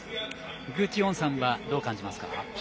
具智元さんはどう感じますか。